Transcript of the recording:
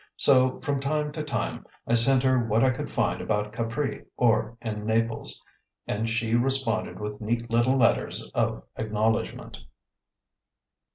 So, from time to time, I sent her what I could find about Capri or in Naples, and she responded with neat little letters of acknowledgment.